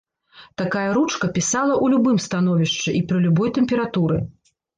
Такая ручка пісала ў любым становішчы і пры любой тэмпературы.